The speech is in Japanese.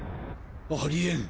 ありえん。